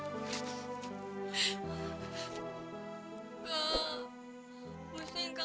saat headaches atau gila